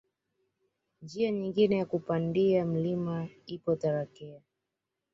Njia nyingine ya kupandia mlima ipo Tarakea